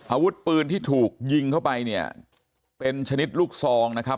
อาวุธปืนที่ถูกยิงเข้าไปเนี่ยเป็นชนิดลูกซองนะครับ